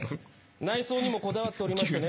内装にもこだわっておりましてね。